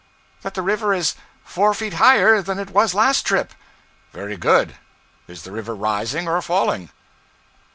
'That the river is four feet higher than it was last trip.' 'Very good. Is the river rising or falling?'